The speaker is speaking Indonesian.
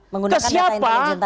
menggunakan data intelijen tadi